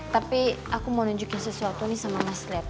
tapi aku mau nunjukin sesuatu nih sama mas lab